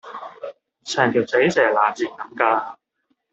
成條死蛇爛鱔咁㗎